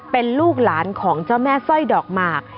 เป็นลูกหลานของเจ้าแม่สร้อยดอกหมาก